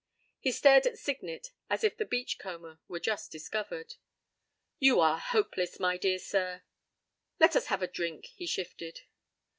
p> He stared at Signet, as if the beach comber were just discovered. "You are hopeless, my dear sir." "Let us have a drink," he shifted.